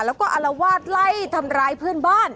แล้วก็อารวาสไล่ทำร้ายเพื่อนบ้าน